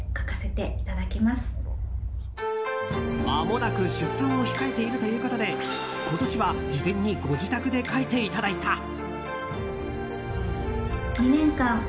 まもなく出産を控えているということで今年は事前にご自宅で書いていただいた。